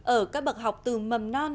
ở các bậc học từ mầm non